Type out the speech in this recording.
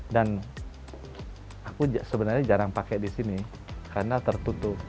dan aku sebenarnya jarang pakai di sini karena tertutup